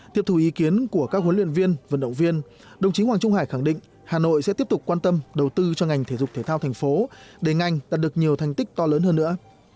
tiếp thủ ý kiến của các huấn luyện viên vận động viên đồng chí hoàng trung hải khẳng định hà nội sẽ tiếp tục quan tâm đầu tư cho ngành thể dục thể thao thành phố để ngành đạt được nhiều thành tích to lớn hơn nữa